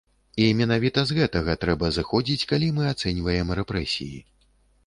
І менавіта з гэтага трэба зыходзіць, калі мы ацэньваем рэпрэсіі.